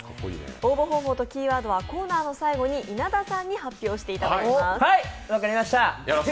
応募方法とキーワードはコーナーの最後に稲田さんに発表していただきます。